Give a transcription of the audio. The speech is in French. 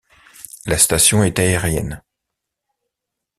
La station est aérienne.